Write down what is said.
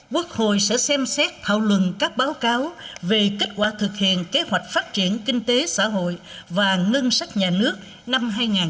quốc hội sẽ xem xét thảo luận các báo cáo về kết quả thực hiện kế hoạch phát triển kinh tế xã hội và ngân sách nhà nước năm hai nghìn một mươi chín